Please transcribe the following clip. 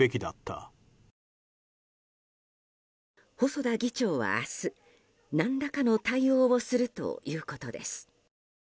細田議長は明日、何らかの対応をするということです。